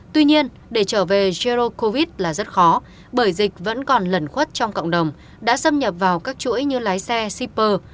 tuy nhiên để trở về jero covid là rất khó bởi dịch vẫn còn lẩn khuất trong cộng đồng đã xâm nhập vào các chuỗi như lái xe shipper